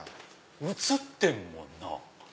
映ってるもんな。